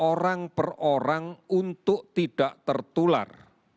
orang per orang untuk tidak tertular